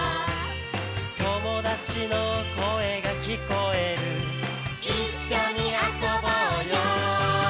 「友達の声が聞こえる」「一緒に遊ぼうよ」